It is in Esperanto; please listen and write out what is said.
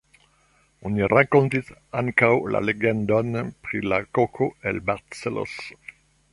Oni rakontis ankaŭ la legendon pri la koko el Barcelos.